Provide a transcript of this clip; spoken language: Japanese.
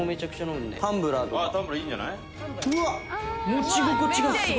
持ち心地がすごい。